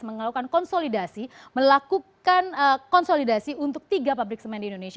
melakukan konsolidasi melakukan konsolidasi untuk tiga pabrik semen di indonesia